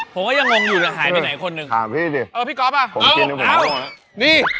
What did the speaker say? ผมก็ยังงงอยู่นะหายไปไหนคนหนึ่งถามพี่ดิ